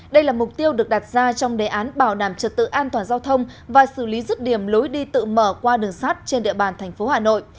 đây là mục tiêu được đặt ra trong đề án bảo đảm trật tự an toàn giao thông và xử lý rứt điểm lối đi tự mở qua đường sát trên địa bàn thành phố hà nội